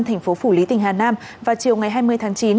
tp phủ lý tỉnh hà nam vào chiều ngày hai mươi tháng chín